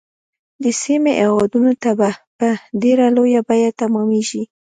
د سیمې هیوادونو ته به په ډیره لویه بیعه تمامیږي.